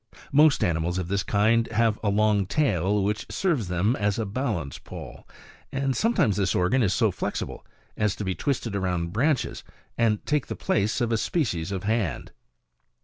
Most animals of this kind have a long tail which serves them as a balance pole, and sometimes this organ is so flexible as to be twisted around branches, and take the place of a species of hand, 1 5.